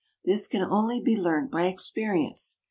This can only be learnt by experience.